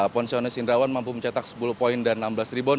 ponsionis indrawan mampu mencetak sepuluh poin dan enam belas rebound